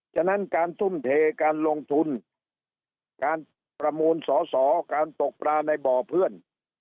ฉะนั้นการทุ่มเทการลงทุนการประมูลสอสอการตกปลาในบ่อเพื่อน